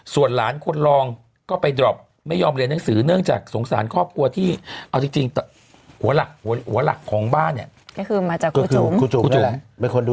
ส่วนหลานคนรองก็ไปดรอปไม่ยอมเรียนหนังสือเนื่องจากสงสารครอบครัวที่เอาจริงหัวหลักหัวหลักของบ้านเนี่ย